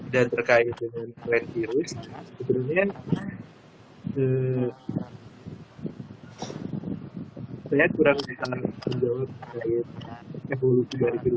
dan terkait dengan covid sembilan belas sepertinya kurang bisa menjawab terkait evolusi dari covid sembilan belas